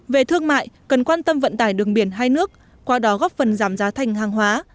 về thương mại cần quan tâm vận tải đường biển hai nước qua đó góp phần giảm giá thành hàng hóa